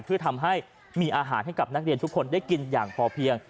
เพื่อทำให้มีอาหารให้กับนักเรียนทุกคนได้กินอย่างพอเพียง